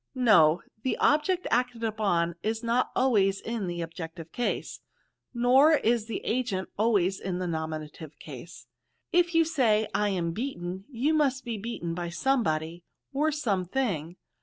" No ; the object acted upon is not always in the objective case, nor is the agent always in the nominative case. If you say, I am beaten, you must be beaten by somebody, or something.